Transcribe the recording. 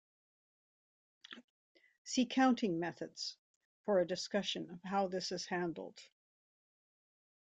See Counting Methods for a discussion of how this is handled.